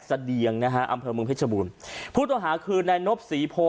เสดียงนะฮะอำเภอเมืองเพชรบูรณ์ผู้ต้องหาคือนายนบศรีโพ